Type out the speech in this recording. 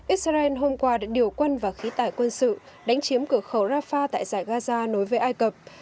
israel hôm qua đã điều quân và khí tải quân sự đánh chiếm cửa khẩu rafah tại giải gaza nối với ai cập